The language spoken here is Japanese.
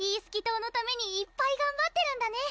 島のためにいっぱいがんばってるんだね